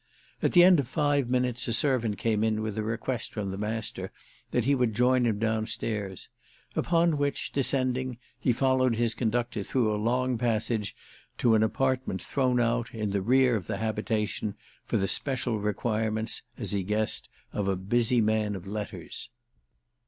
At the end of five minutes a servant came in with a request from the Master that he would join him downstairs; upon which, descending, he followed his conductor through a long passage to an apartment thrown out, in the rear of the habitation, for the special requirements, as he guessed, of a busy man of letters.